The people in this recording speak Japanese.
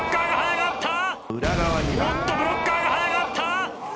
おっとブロッカーが早かった！